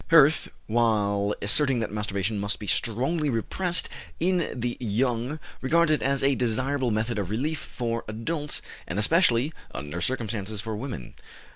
Hirth, while asserting that masturbation must be strongly repressed in the young, regards it as a desirable method of relief for adults, and especially, under some circumstances, for women.